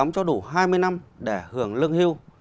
cho đủ hai mươi năm để hưởng lương hưu